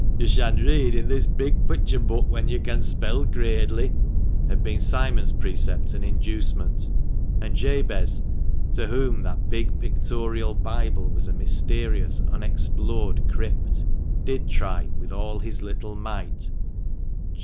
Yo' shan read i' this big picture book when you can spell gradely, ' had been Simon's precept and inducement ; and Jabez, to whom that big pictorial Bible was a mysterious, unexplored crypt, did try with all his little might.